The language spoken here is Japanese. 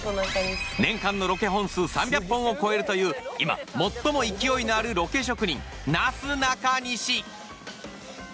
年間のロケ本数３００本を超えるという今最も勢いのあるロケ職人なすなかにし。